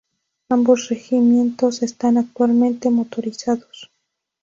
Ambos regimientos están, actualmente, motorizados.